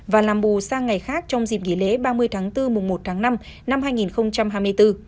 và làm bù sang ngày khác trong dịp nghỉ lễ ba mươi tháng bốn mùng một tháng năm năm hai nghìn hai mươi bốn